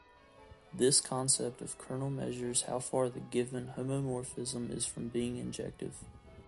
This concept of kernel measures how far the given homomorphism is from being injective.